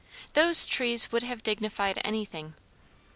Those trees would have dignified anything.